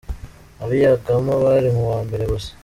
Abayigamo bari mu wa mbere gusa.